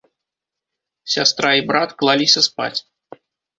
Сястра і брат клаліся спаць.